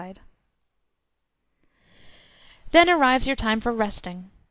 Then arrives your time for resting.